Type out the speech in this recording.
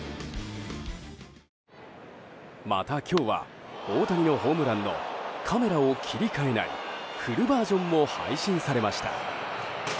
また、今日は大谷のホームランのカメラを切り替えないフルバージョンも配信されました。